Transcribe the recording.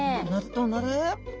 どうなる？